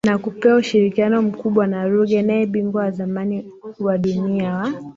na kupewa ushirikiano mkubwa na Ruge Naye bingwa wa zamani wa dunia wa